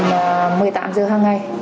một mươi tám h hàng ngày